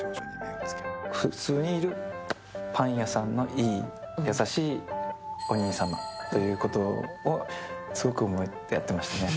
普通にいるパン屋さんの優しいお兄さんということをすごく思ってやってましたね。